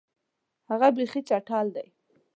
هغه بیخي چټل دی.